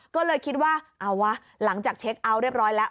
ก็เลยคิดว่าเอาวะหลังจากเช็คเอาท์เรียบร้อยแล้ว